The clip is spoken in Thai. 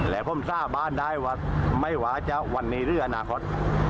และผมสร้างบ้านได้ว่าไม่ว่าจะวันนี้หรืออนาคต